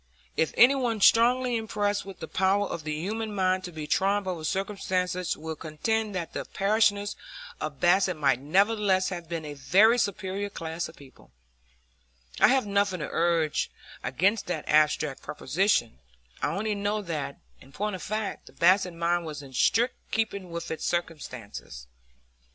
If any one strongly impressed with the power of the human mind to triumph over circumstances will contend that the parishioners of Basset might nevertheless have been a very superior class of people, I have nothing to urge against that abstract proposition; I only know that, in point of fact, the Basset mind was in strict keeping with its circumstances.